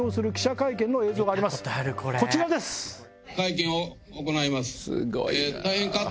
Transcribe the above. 会見を行います。